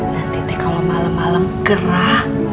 nanti teh kalo malem malem gerah